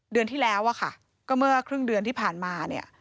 เดือนที่แล้วอะค่ะก็เมื่อครึ่งเดือนที่ผ่านมาเนี่ย